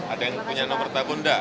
ada yang punya nomor tabunda